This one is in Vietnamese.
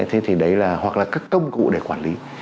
thế thì đấy là hoặc là các công cụ để quản lý